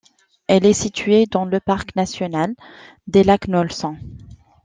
Elle est située dans le parc national des lacs Nelson.